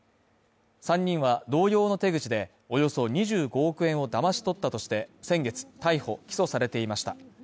３人は同様の手口でおよそ２５億円をだまし取ったとして先月、逮捕起訴されていました。